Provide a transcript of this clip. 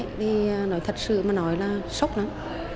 thì nói thật sự mà nói là sốc lắm